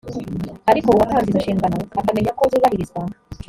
ariko uwatanze izo nshingano akamenya ko zubahirizwa